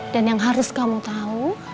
dan yang harus kamu tau